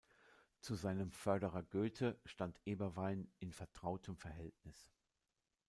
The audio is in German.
Zu seinem Förderer Goethe stand Eberwein in vertrautem Verhältnis.